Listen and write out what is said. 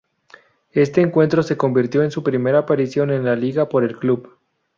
Este encuentro se convirtió en su primera aparición en la liga por el club.